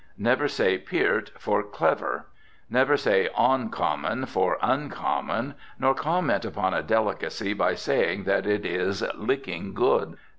Never say "peart" for clever. Never say oncommon for uncommon, nor comment upon a delicacy by saying that it is "licking good."